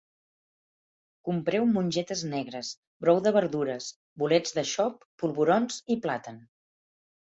Compreu mongetes negres, brou de verdures, bolets de xop, polvorons i plàtan